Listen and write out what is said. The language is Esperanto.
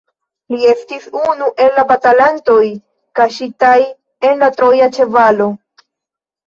Li estis unu el la batalantoj kaŝitaj en la Troja ĉevalo.